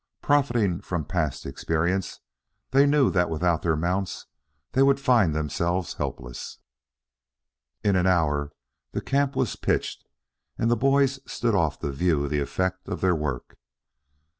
Profiting from past experiences, they knew that without their mounts they would find themselves helpless. In an hour the camp was pitched and the boys stood off to view the effect of their work.